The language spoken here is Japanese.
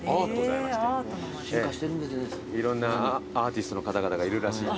いろんなアーティストの方々がいるらしいんで。